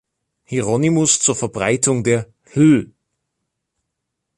Hieronymus zur Verbreitung der hl.